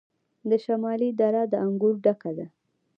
د شمالی دره د انګورو ډکه ده.